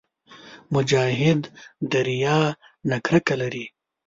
مجاهد د ریا نه کرکه لري.